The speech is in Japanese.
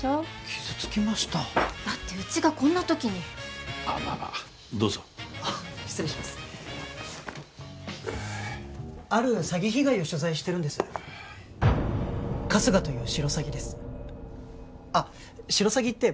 傷つきましただってうちがこんな時にああまあまあどうぞあっ失礼しますある詐欺被害を取材してるんです春日というシロサギですあっシロサギって